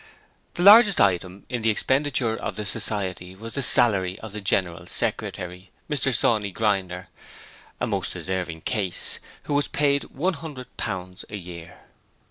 The largest item in the expenditure of the Society was the salary of the General Secretary, Mr Sawney Grinder a most deserving case who was paid one hundred pounds a year.